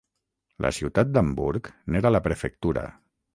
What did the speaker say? La ciutat d'Hamburg n'era la prefectura.